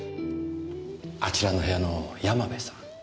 あちらの部屋の山部さん